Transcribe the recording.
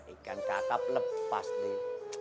ikan kakap lepas deh